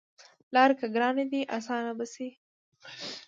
لاری که ګرانې دي اسانې به شي